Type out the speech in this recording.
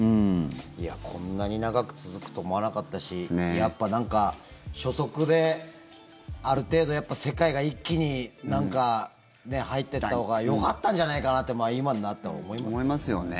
こんなに長く続くと思わなかったしやっぱなんか、初速である程度、世界が一気に何か入ってったほうがよかったんじゃないかなって思いますよね。